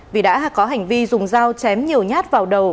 vì đã có hành vi dùng dao chém nhiều nhát vào đầu